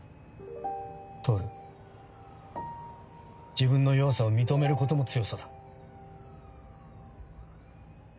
自分の弱さを認めることも強さだ。